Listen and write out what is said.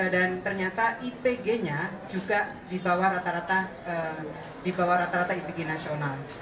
dan ternyata ipg nya juga di bawah rata rata ipg nasional